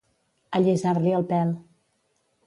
Allisar-li el pèl.